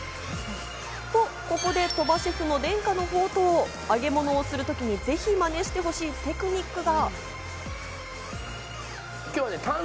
ここで鳥羽シェフの伝家の宝刀・揚げ物をするときにぜひマネしてほしいテクニックが。